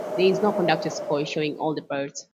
There is no conductor's score showing all the parts.